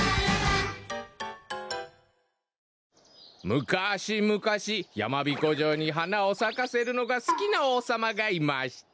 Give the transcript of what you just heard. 「むかしむかしやまびこじょうにはなをさかせるのがすきなおうさまがいました」。